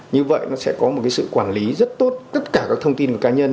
như vậy nó sẽ có một sự quản lý rất tốt tất cả các thông tin của cá nhân